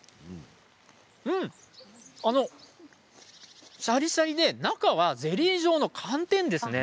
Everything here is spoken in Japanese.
うんシャリシャリで中はゼリー状の寒天ですね。